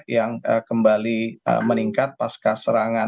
yang kembali meningkat pasca serangan